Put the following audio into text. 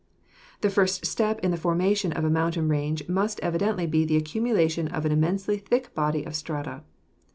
The first step in the formation of a mountain range must evidently be the accumulation of an immensely thick body of strata.